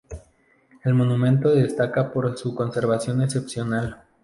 El monumento destaca por su conservación excepcional.